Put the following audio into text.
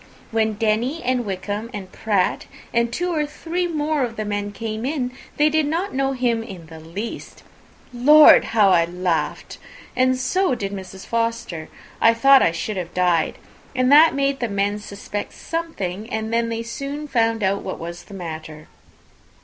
When Denny, and Wickham, and Pratt, and two or three more of the men came in, they did not know him in the least. Lord! how I laughed! and so did Mrs. Forster. I thought I should have died. And that made the men suspect something, and then they soon found out what was the matter."